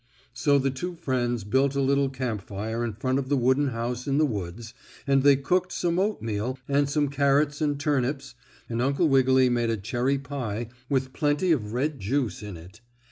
So the two friends built a little camp fire in front of the wooden house in the woods and they cooked some oatmeal and some carrots and turnips, and Uncle Wiggily made a cherry pie with plenty of red juice in it.